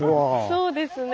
そうですね。